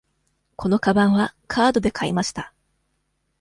このかばんはカードで買いました。